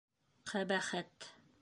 Ҡәбәхәт...